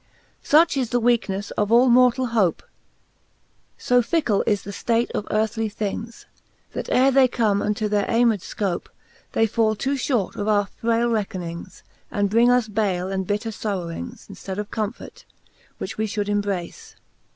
V. Such Is the weakenefle of all mortall hope ; So tickle is the ftate of earthly things, That ere they come unto their aymed icope, They fall too fhort of our fraile reckonings. And bring us bale and bitter forrowings, In ftead of comfort, which we fhould embrace.